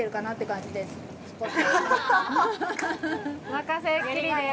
任せっきりです